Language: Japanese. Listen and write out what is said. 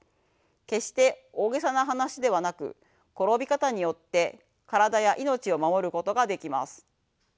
決して大げさな話ではなく転び方によって体や命を守ることができます。